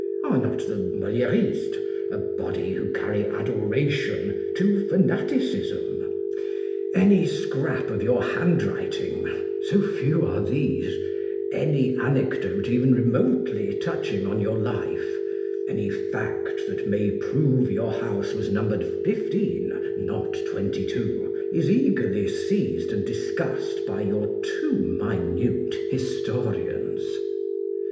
Are not the Moliéristes a body who carry adoration to fanaticism? Any scrap of your handwriting (so few are these), any anecdote even remotely touching on your life, any fact that may prove your house was numbered 15 not 22, is eagerly seized and discussed by your too minute historians.